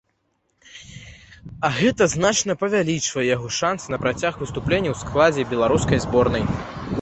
А гэта значна павялічвае яго шанцы на працяг выступленняў і ў складзе беларускай зборнай.